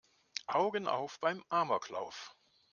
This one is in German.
Augen auf beim Amoklauf!